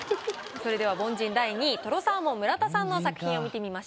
それでは凡人第２位とろサーモン村田さんの作品を見てみましょう。